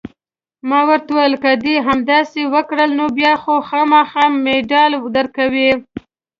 ما ورته وویل: که دې همداسې وکړل، نو بیا خو خامخا مډال درکوي.